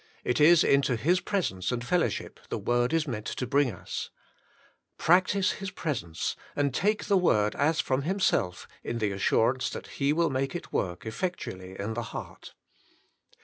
It is into His presence and fel lowship the Word is meant to bring us. Practise His presence, and take the Word as from Him self in the assurance that He will make it work effectually in the heart.